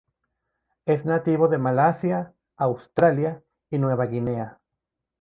Es nativo de Malasia, Australia y Nueva Guinea.